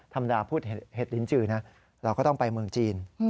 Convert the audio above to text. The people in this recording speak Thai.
ธรรมดาพูดเห็ดลิ้นจือนะเราก็ต้องไปเมืองจีน